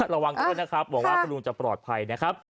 ระวังด้วยนะครับหวังว่าคุณลุงจะปลอดภัยนะครับ